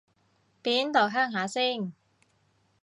邊度鄉下先